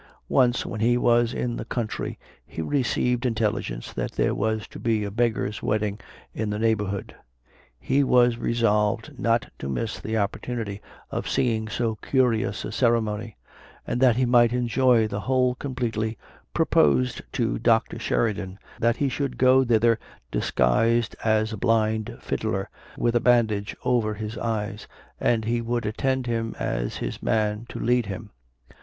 Once when he was in the country, he received intelligence that there was to be a beggar's wedding in the neighborhood. He was resolved not to miss the opportunity of seeing so curious a ceremony; and that he might enjoy the whole completely, proposed to Dr. Sheridan that he should go thither disguised as a blind fiddler, with a bandage over his eyes, and he would attend him as his man to lead him.